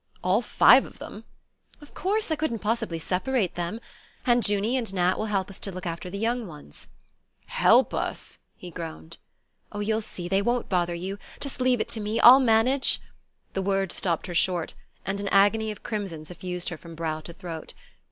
"All five of them?" "Of course I couldn't possibly separate them. And Junie and Nat will help us to look after the young ones." "Help us!" he groaned. "Oh, you'll see; they won't bother you. Just leave it to me; I'll manage " The word stopped her short, and an agony of crimson suffused her from brow to throat.